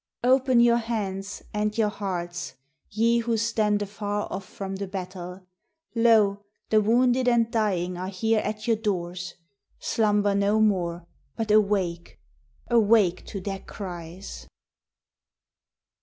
Open your hands and your hearts ye who stand afar off from the battle! Lo! the wounded and dying are here at your doors. Slumber no more; but awake, AWAKE TO THEIR CRIES!